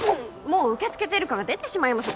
もう受け付けている感が出てしまいます